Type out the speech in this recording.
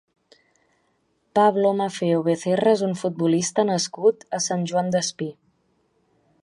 Pablo Maffeo Becerra és un futbolista nascut a Sant Joan Despí.